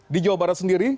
di jawa barat sendiri